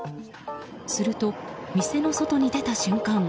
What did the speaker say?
すると店の外に出た瞬間